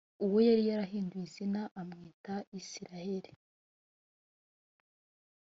uwo yari yarahinduye izina akamwita isirayeli